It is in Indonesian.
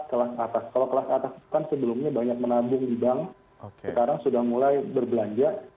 kelas atas kalau kelas atas kan sebelumnya banyak menabung di bank sekarang sudah mulai berbelanja